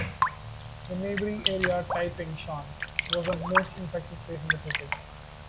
The neighboring area, Tai Ping Shan, was the most infected place in the city.